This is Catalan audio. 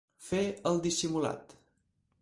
Fer el dissimulat.